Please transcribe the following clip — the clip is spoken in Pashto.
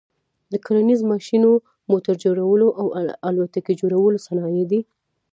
د کرنیز ماشینو، موټر جوړلو او الوتکي جوړلو صنایع دي.